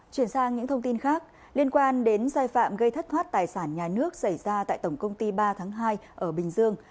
chuyển sang những thông tin khác liên quan đến sai phạm gây thất thoát tài sản nhà nước xảy ra tại tổng công ty ba tháng hai ở bình dương